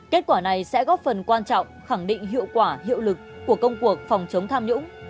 kết quả này sẽ góp phần quan trọng khẳng định hiệu quả hiệu lực của công cuộc phòng chống tham nhũng